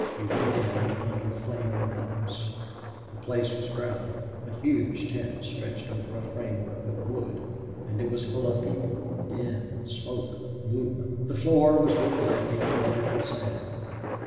He went in under the flaming lamps. The place was crowded a huge tent stretched over a framework of wood, and it was full of people, din, smoke, movement. The floor was good planking covered with sand.